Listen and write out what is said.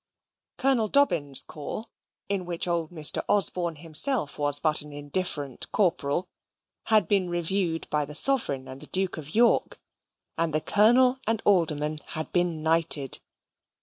Colonel Dobbin's corps, in which old Mr. Osborne himself was but an indifferent corporal, had been reviewed by the Sovereign and the Duke of York; and the colonel and alderman had been knighted.